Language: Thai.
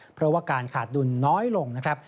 เพราะว่าการขาดดุลน้อยลงนะครับ